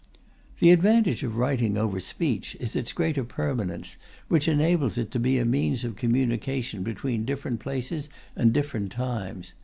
The advantage of writing over speech is its greater permanence, which enables it to be a means of communication between different places and different times.